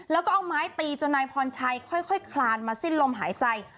แล้วก็เอาไม้ตีจนนายพรชัยค่อยคลานมาสิ้นลมหายใจ